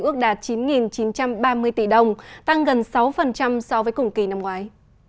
ước đạt chín chín trăm ba mươi tỷ đồng tăng gần sáu so với cùng kỳ năm ngoái